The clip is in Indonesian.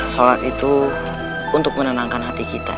sholat itu untuk menenangkan hati kita